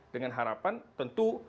dengan harapan tentu